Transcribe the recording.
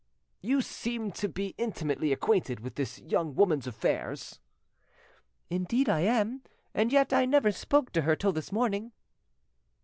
"You seem to be intimately acquainted with this young woman's affairs." "Indeed I am, and yet I never spoke to her till this morning."